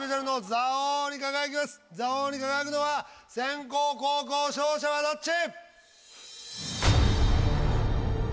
座王に輝くのは先攻・後攻勝者はどっち？